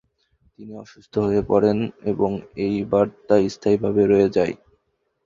তিনি অসুস্থ হয়ে পড়েন এবং এইবার তা স্থায়ীভাবে রয়ে যায়।